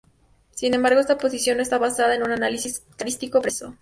Sin embargo, esta posición no está basada en un análisis cladístico preciso.